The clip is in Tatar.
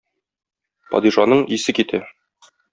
Падишаның исе китә.